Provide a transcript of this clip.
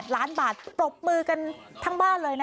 ล้านบาทปรบมือกันทั้งบ้านเลยนะ